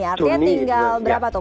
artinya tinggal berapa tuh